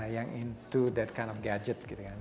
yang terlibat dengan gadget nya